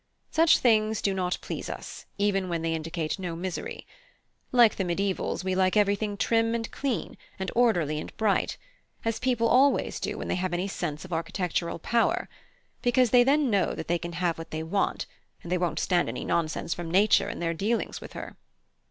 Such things do not please us, even when they indicate no misery. Like the mediaevals, we like everything trim and clean, and orderly and bright; as people always do when they have any sense of architectural power; because then they know that they can have what they want, and they won't stand any nonsense from Nature in their dealings with her."